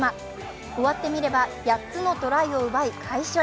終わってみれば８つのトライを奪い快勝。